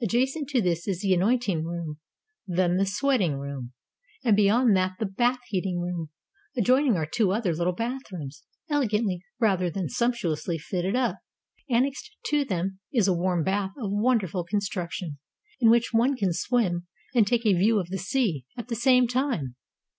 Adjacent to this is the anointing room, then the sweat ing room, and beyond that the bath heating room: adjoining are two other little bathrooms, elegantly rather than sumptuously fitted up: annexed to them is a warm bath of wonderful construction, in which one can swim and take a view of the sea at the same time.